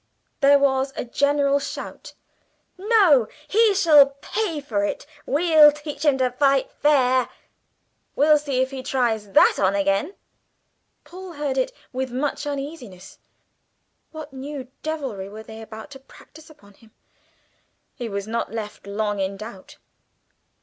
There was a general shout. "No; he shall pay for it! We'll teach him to fight fair! We'll see if he tries that on again!" Paul heard it with much uneasiness. What new devilry were they about to practise upon him? He was not left long in doubt.